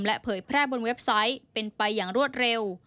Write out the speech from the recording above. เผยแพร่บนเว็บไซต์เป็นไปอย่างรวดเร็ว